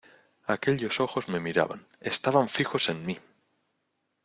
¡ aquellos ojos me miraban, estaban fijos en mí!...